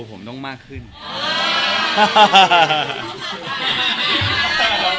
ครอบครัวมีน้องเลยก็คงจะอยู่บ้านแล้วก็เลี้ยงลูกให้ดีที่สุดค่ะ